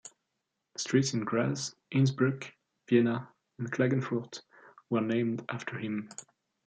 Streets in Graz, Innsbruck, Vienna and Klagenfurt were named after him.